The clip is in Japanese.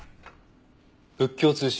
「仏教通信」。